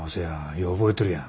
よう覚えとるやん。